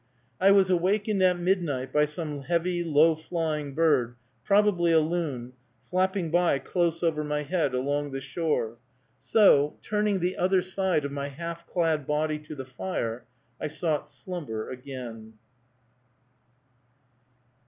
I was awakened at midnight by some heavy, low flying bird, probably a loon, flapping by close over my head, along the shore. So, turning the other side of my half clad body to the fire, I sought slumber again.